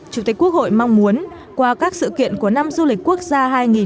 chủ tịch quốc hội mong muốn qua các sự kiện của năm du lịch quốc gia hai nghìn một mươi chín